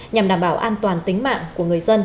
nhằm đảm bảo an toàn tính mạng của người dân